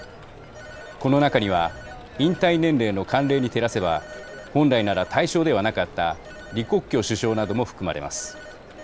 この中には引退年齢の慣例に照らせば本来なら対象ではなかった李克強首相なども含まれます。